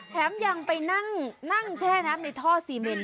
แถมยังไปนั่งแช่น้ำในท่อซีเมน